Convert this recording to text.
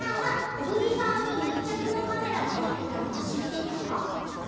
小栗さんに密着のカメラが入っていたのは知っていた？